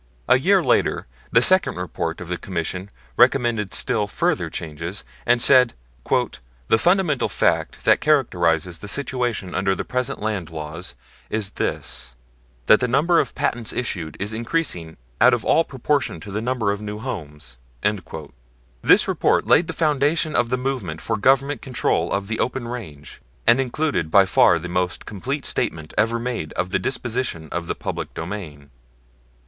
A year later the second report of the Commission recommended still further changes, and said "The fundamental fact that characterizes the situation under the present land laws is this, that the number of patents issued is increasing out of all proportion to the number of new homes." This report laid the foundation of the movement for Government control of the open range, and included by far the most complete statement ever made of the disposition of the public domain.